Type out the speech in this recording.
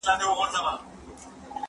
زه اوس د کتابتوننۍ سره خبري کوم؟